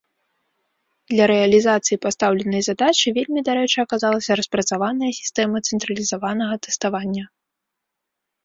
Для рэалізацыі пастаўленай задачы вельмі дарэчы аказалася распрацаваная сістэма цэнтралізаванага тэставання.